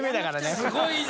すごいな！